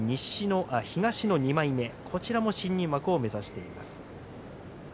東の２枚目こちらも新入幕を目指しています。